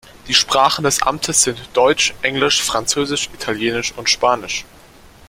Die Sprachen des Amtes sind Deutsch, Englisch, Französisch, Italienisch und Spanisch.